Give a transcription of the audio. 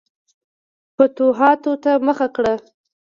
فتوحاتو ته مخه کړه.